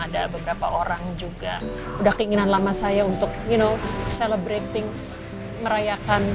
ada beberapa orang juga udah keinginan lama saya untuk no celebrating merayakan